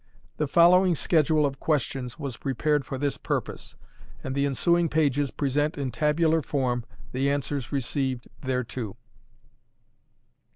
The following schedule of questions was prepared for this purpose, and the ensuing pages present in tabular form the answers received thereto.